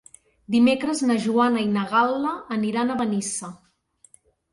Dimecres na Joana i na Gal·la aniran a Benissa.